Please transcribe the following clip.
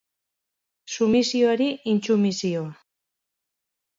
Sumisioari intsumisioa!